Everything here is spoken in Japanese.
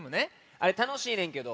あれたのしいねんけど。